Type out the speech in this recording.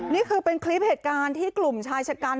นี่คือเป็นคลิปเหตุการณ์ที่กลุ่มชายชะกัน